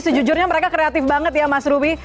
sejujurnya mereka kreatif banget ya mas ruby